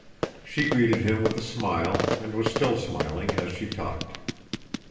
She greeted him with a smile and was still smiling as she talked.